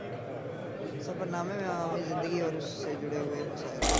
سفر نامے میں عوامی زندگی اور اُس سے جڑے ہوئے مسائل